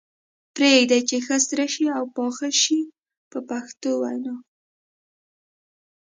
پرېږدي یې چې ښه سره شي او پاخه شي په پښتو وینا.